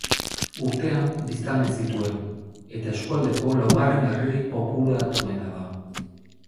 Urtean biztanle zituen, eta eskualdeko laugarren herririk populatuena da.